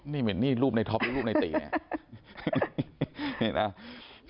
นี่มันไม่รูปในท็อปมันรูปในตรีกันเนี่ย